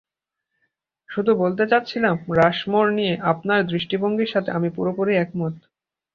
শুধু বলতে চাচ্ছিলাম রাশমোর নিয়ে আপনার দৃষ্টিভঙ্গির সাথে আমি পুরোপুরি একমত।